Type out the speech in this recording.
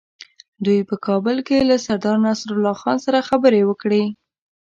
دوی په کابل کې له سردار نصرالله خان سره خبرې وکړې.